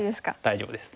大丈夫です。